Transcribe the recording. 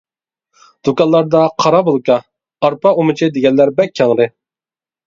دۇكانلاردا قارا بولكا، ئارپا ئۇمىچى دېگەنلەر بەك كەڭرى.